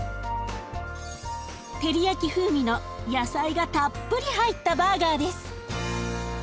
照り焼き風味の野菜がたっぷり入ったバーガーです。